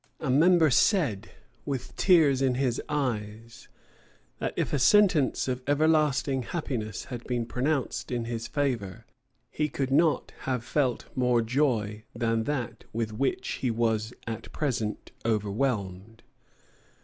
A member said, with tears in his eyes, that if a sentence of everlasting happiness had been pronounced in his favor, he could not have felt more joy than that with which he was at present over whelmed.